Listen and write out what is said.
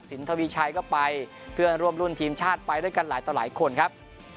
ทวีชัยก็ไปเพื่อนร่วมรุ่นทีมชาติไปด้วยกันหลายต่อหลายคนครับ